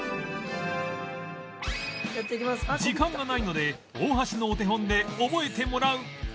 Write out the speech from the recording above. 時間がないので大橋のお手本で覚えてもらう